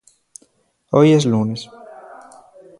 Hoy es lunes.